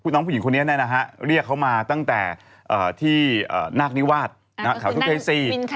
เลือกเขามาตั้งแต่ที่นาคนิวาสขาวชุศพรีซี